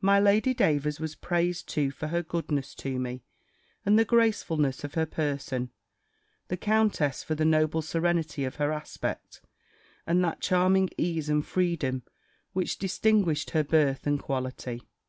My Lady Davers was praised too for her goodness to me, and the gracefulness of her person; the countess for the noble serenity of her aspect, and that charming ease and freedom, which distinguished her birth and quality.